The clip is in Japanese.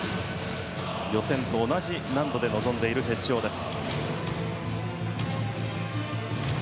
予選と同じ難度で臨んでいる決勝です。